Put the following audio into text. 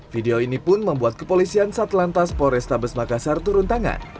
video ini pun membuat kepolisian satlantas polrestabes makassar turun tangan